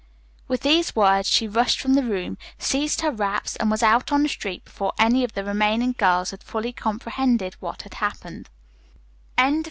With these words she rushed from the room, seized her wraps and was out on the street before any of the remaining girls had fully comprehended what had happened.